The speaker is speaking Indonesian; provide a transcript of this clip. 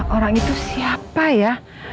orang itu siapa ya